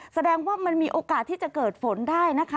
แสดงว่ามันมีโอกาสที่จะเกิดฝนได้นะคะ